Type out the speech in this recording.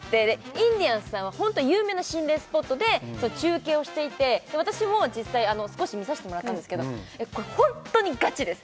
インディアンスさんはホント有名な心霊スポットで中継をしていて私も実際少し見させてもらったんですけどこれホントにガチです